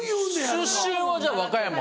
出身はじゃあ和歌山。